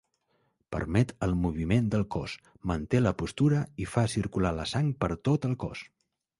Permet el moviment del cos, manté la postura i fa circular la sang per tot el cos.